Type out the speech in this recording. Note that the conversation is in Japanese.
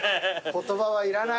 言葉はいらない。